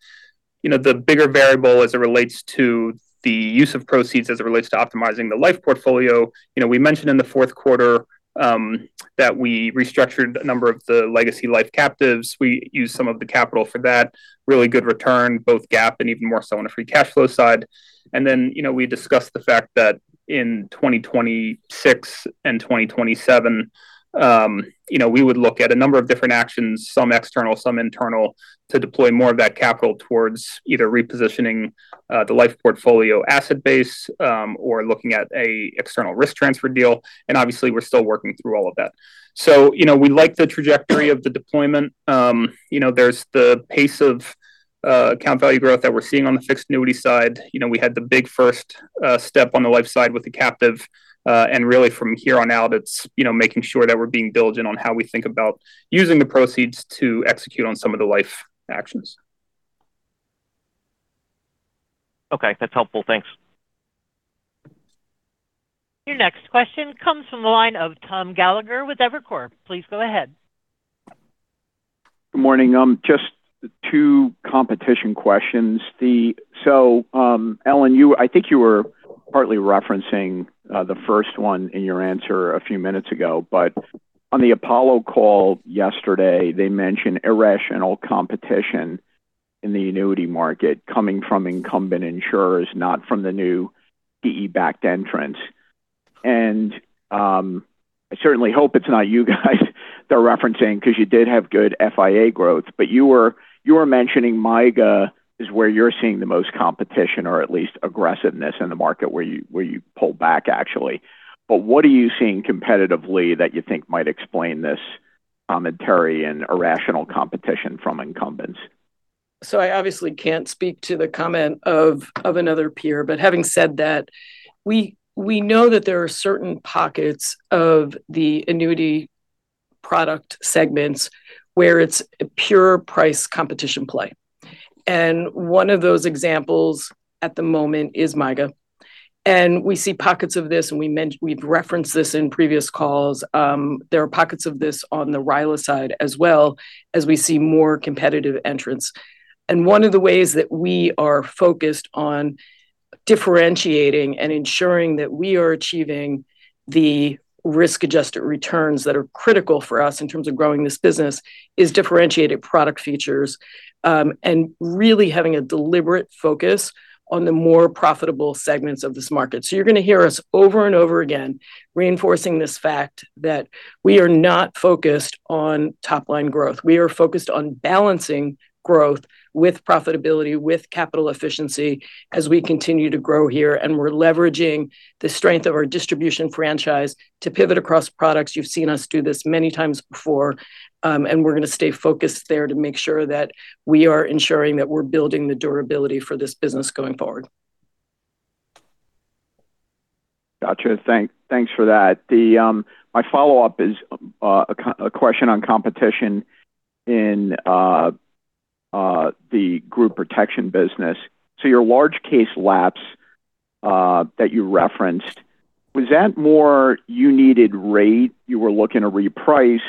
You know, the bigger variable as it relates to the use of proceeds as it relates to optimizing the life portfolio, you know, we mentioned in the 4th quarter that we restructured a number of the legacy life captives. We used some of the capital for that. Really good return, both GAAP and even more so on a free cash flow side. Then, you know, we discussed the fact that in 2026 and 2027, you know, we would look at a number of different actions, some external, some internal, to deploy more of that capital towards either repositioning the life portfolio asset base or looking at a external risk transfer deal. Obviously, we're still working through all of that. You know, we like the trajectory of the deployment. You know, there's the pace of account value growth that we're seeing on the fixed annuity side. You know, we had the big first step on the life side with the captive. Really from here on out, it's, you know, making sure that we're being diligent on how we think about using the proceeds to execute on some of the life actions. Okay. That's helpful. Thanks. Your next question comes from the line of Tom Gallagher with Evercore. Please go ahead. Good morning. Just two competition questions. Ellen, I think you were partly referencing the first one in your answer a few minutes ago. On the Apollo call yesterday, they mentioned irrational competition in the annuity market coming from incumbent insurers, not from the new PE-backed entrants. I certainly hope it's not you guys they're referencing 'cause you did have good FIA growth. You were mentioning MYGA is where you're seeing the most competition or at least aggressiveness in the market where you pulled back actually. What are you seeing competitively that you think might explain this commentary and irrational competition from incumbents? I obviously can't speak to the comment of another peer. Having said that, we know that there are certain pockets of the annuity product segments where it's a pure price competition play. One of those examples at the moment is MYGA. We see pockets of this, and we've referenced this in previous calls. There are pockets of this on the RILA side as well as we see more competitive entrants. One of the ways that we are focused on differentiating and ensuring that we are achieving the risk-adjusted returns that are critical for us in terms of growing this business is differentiated product features, and really having a deliberate focus on the more profitable segments of this market. You're gonna hear us over and over again reinforcing this fact that we are not focused on top line growth. We are focused on balancing growth with profitability, with capital efficiency as we continue to grow here, and we're leveraging the strength of our distribution franchise to pivot across products. You've seen us do this many times before. We're gonna stay focused there to make sure that we are ensuring that we're building the durability for this business going forward. Gotcha. Thanks for that. The, my follow-up is a question on competition in the Group Protection business. Your large case lapse that you referenced, was that more you needed rate, you were looking to reprice?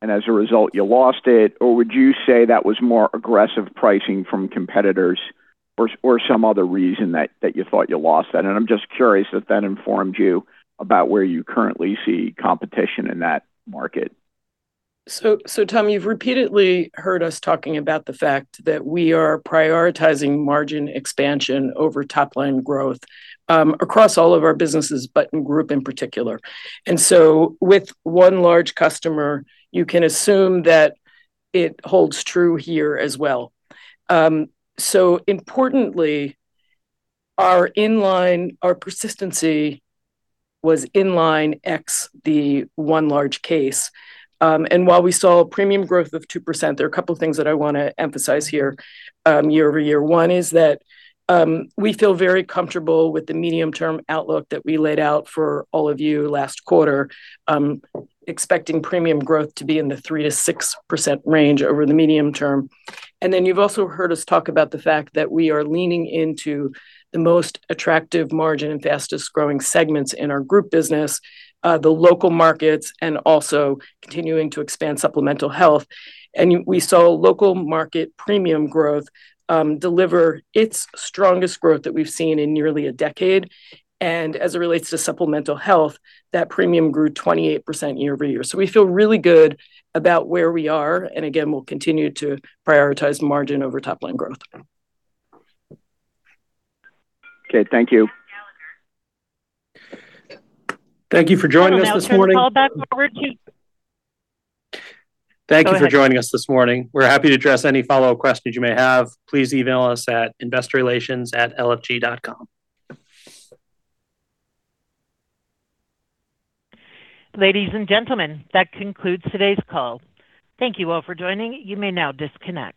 As a result, you lost it? Or would you say that was more aggressive pricing from competitors or some other reason that you thought you lost that? I'm just curious if it informed you about where you currently see competition in that market. Tom, you've repeatedly heard us talking about the fact that we are prioritizing margin expansion over top line growth, across all of our businesses, but in Group Protection in particular. With one large customer, you can assume that it holds true here as well. Importantly, our inline, our persistency was inline ex the one large case. While we saw premium growth of 2%, there are a couple things that I want to emphasize here, year-over-year. We feel very comfortable with the medium-term outlook that we laid out for all of you last quarter, expecting premium growth to be in the 3%-6% range over the medium-term. You've also heard us talk about the fact that we are leaning into the most attractive margin and fastest growing segments in our Group business, the local markets, and also continuing to expand Supplemental Health. We saw local market premium growth deliver its strongest growth that we've seen in nearly a decade. As it relates to Supplemental Health, that premium grew 28% year-over-year. We feel really good about where we are, and again, we'll continue to prioritize margin over top line growth. Okay, thank you. Thank you for joining us this morning. I will now turn the call back over to Thank you for joining us this morning. We're happy to address any follow-up questions you may have. Please email us at InvestorRelations@lfg.com. Ladies and gentlemen, that concludes today's call. Thank you all for joining. You may now disconnect.